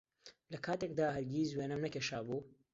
لەکاتێکدا هەرگیز وێنەم نەکێشابوو